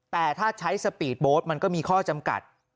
แต่ถ้าใช้สปีดโบ๊ทมันก็มีข้อจำกัด